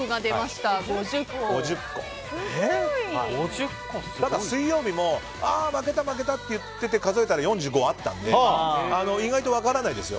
ただ、水曜日も負けた負けたって言ってて数えたら４５あったので意外と分からないですよ。